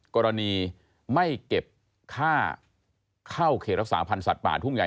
กรณีไม่เก็บค่าเข้าเขตรักษาพันธ์สัตว์ป่าทุ่งใหญ่